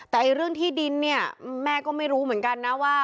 แต่เรื่องที่ดินเนี่ยแม่ก็ไม่รู้เหมือนกันนะว่า